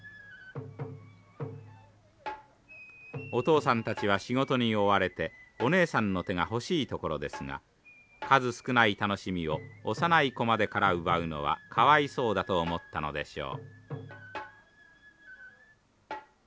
お父さんたちは仕事に追われてお姉さんの手が欲しいところですが数少ない楽しみを幼い子までから奪うのはかわいそうだと思ったのでしょう。